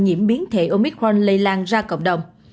nhiễm biến thể omicron lây lan ra cộng đồng